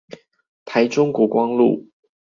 台中國光路